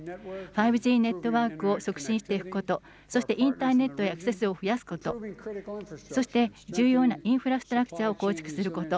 ５Ｇネットワークを促進していくこと、そしてインターネットへアクセスを増やすこと、そして重要なインフラストラクチャーを構築すること。